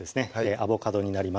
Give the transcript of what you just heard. アボカドになります